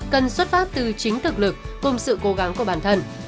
cần xuất phát từ chính thực lực cùng sự cố gắng của bản thân